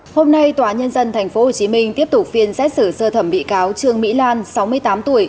hôm nay tòa nhân dân tp hcm tiếp tục phiên xét xử sơ thẩm bị cáo trương mỹ lan sáu mươi tám tuổi